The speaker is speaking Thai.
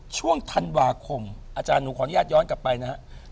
อเจมส์อาจารย์หนูขออนุญาตย้อนกลับไปนะครับ